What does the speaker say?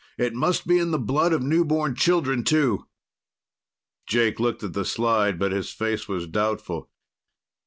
And it must be in the blood of newborn children, too!" Jake looked at the slide, but his face was doubtful.